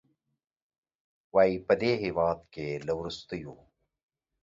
وايي، په دې هېواد کې له وروستیو